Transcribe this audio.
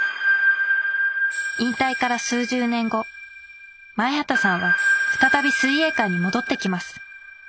引退から数十年後前畑さんは再び水泳界に戻ってきます。